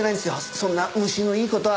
そんなムシのいい事は。